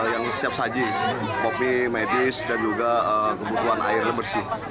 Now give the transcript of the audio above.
yang siap saji kopi medis dan juga kebutuhan airnya bersih